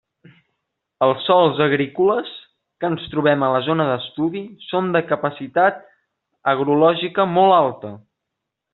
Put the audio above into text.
Els sòls agrícoles que ens trobem a la zona d'estudi són de capacitat agrològica molt alta.